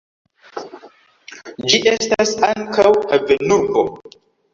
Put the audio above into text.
Ĝi estas ankaŭ havenurbo.